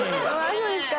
そうですか。